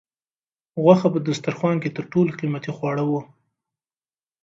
غوښه په دسترخوان کې تر ټولو قیمتي خواړه وو.